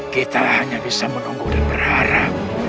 kita hanya bisa menunggu dan berharap